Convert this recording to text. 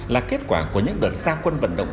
là kết quả của những đợt xa quân vận động